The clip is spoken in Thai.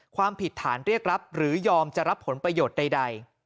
ความผิดฐานเรียกรับหรือยอมจะรับผลประโยชน์ใด